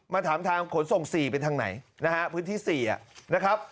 ถามทางขนส่ง๔เป็นทางไหนนะฮะพื้นที่๔นะครับ